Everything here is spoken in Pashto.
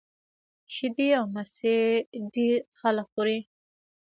شیدې او مستې ډېری خلک خوري